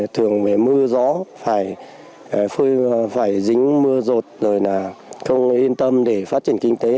thường mưa gió phải dính mưa rột rồi là không yên tâm để phát triển kinh tế